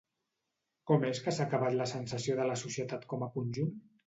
Com és que s'ha acabat la sensació de la societat com a conjunt?